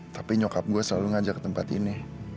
tapi nyokap gue selalu ngajak ke tempat ini